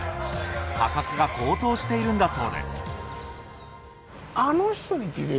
価格が高騰しているんだそうです。